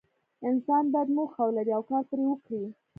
انسان باید موخه ولري او کار پرې وکړي.